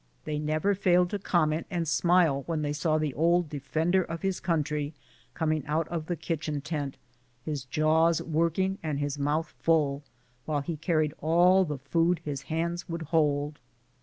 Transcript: They never failed to comment and smile when they saw the old defender of his country coming out of the kitchen tent, his jaws working and his mouth full, while he carried all the food his hands would hold.